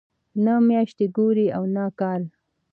نه میاشت ګوري او نه کال.